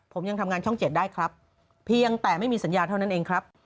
ผมยังทำงานช่องเจ็ดได้ครับเพียงแต่ไม่มีสัญญาเท่านั้นเองครับ